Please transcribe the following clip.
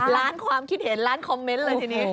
ล้านความคิดเห็นล้านคอมเมนต์เลยทีนี้